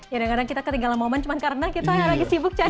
ya kadang kadang kita ketinggalan momen cuma karena kita lagi sibuk cari